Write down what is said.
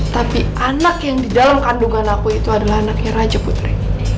tapi anak yang di dalam kandungan aku itu adalah anaknya raja putri